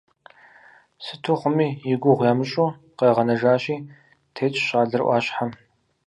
Сыту хъуми, и гугъу ямыщӏу къагъэнэжащи, тетщ щӏалэр ӏуащхьэм.